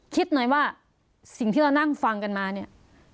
คิดหน่อยว่าสิ่งที่เรานั่งฟังกันมาเนี่ย